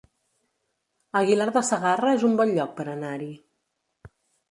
Aguilar de Segarra es un bon lloc per anar-hi